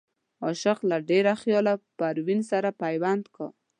عاشق له ډېره خياله پروين سره پيوند کا